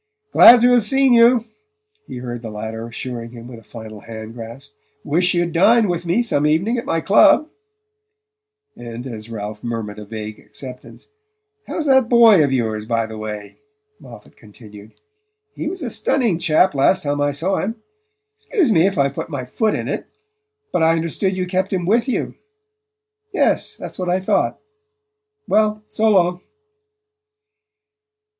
"Glad to have seen you," he heard the latter assuring him with a final hand grasp. "Wish you'd dine with me some evening at my club"; and, as Ralph murmured a vague acceptance: "How's that boy of yours, by the way?" Moffatt continued. "He was a stunning chap last time I saw him. Excuse me if I've put my foot in it; but I understood you kept him with you...? Yes: that's what I thought.... Well, so long."